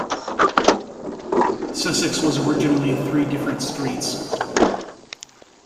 Sussex was originally three different streets.